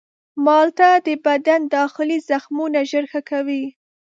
مالټه د بدن داخلي زخمونه ژر ښه کوي.